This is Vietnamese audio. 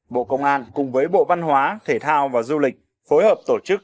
bộ công an cùng với bộ văn hóa thể thao và du lịch phối hợp tổ chức